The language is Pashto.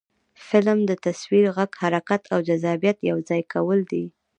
فلم د تصویر، غږ، حرکت او جذابیت یو ځای کول دي